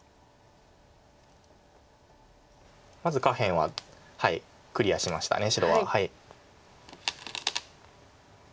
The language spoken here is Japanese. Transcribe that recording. まず下辺はクリアしました白は。